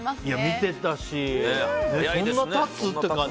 見てたしそんな経つ？って感じ。